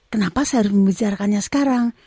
kenapa saya harus membicarakannya sekarang